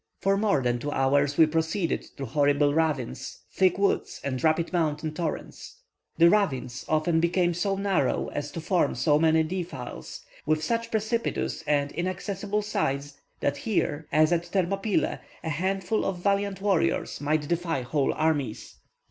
For more than two hours, we proceeded through horrible ravines, thick woods, and rapid mountain torrents. The ravines often became so narrow as to form so many defiles, with such precipitous and inaccessible sides, that here, as at Thermopylae, a handful of valiant warriors might defy whole armies.